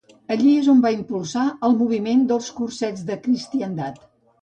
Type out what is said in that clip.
Allí és on va impulsar el moviment dels Cursets de Cristiandat.